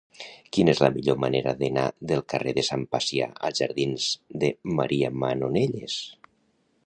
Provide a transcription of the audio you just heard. Quina és la millor manera d'anar del carrer de Sant Pacià als jardins de Maria Manonelles?